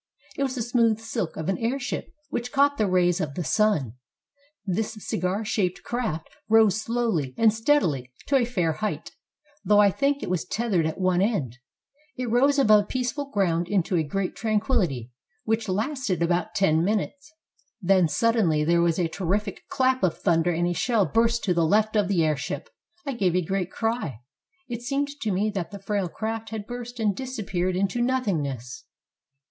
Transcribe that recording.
It was the smooth silk of an airship which caught the rays of the sun ; this cigar shaped craft rose slowly and stead ily to a fair height, though I think it was tethered at one end. It rose above peaceful ground into a great tran quillity, which lasted about ten minutes. Then suddenly there was a terrific clap of thunder and a shell burst to the left of the airship. I gave a great cry. It seemed to me that the frail craft had burst and disappeared into nothingness.